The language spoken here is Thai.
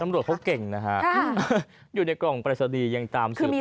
ตำรวจเขาเก่งนะฮะอยู่ในกล่องปรายศนีย์ยังตามสืบ